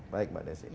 baik mbak desy